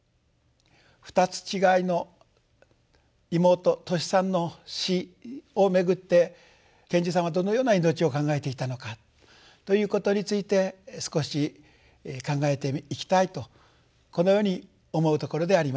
２つ違いの妹トシさんの死をめぐって賢治さんはどのような命を考えていたのかということについて少し考えていきたいとこのように思うところであります。